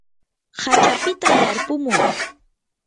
hachapita yarpumuy.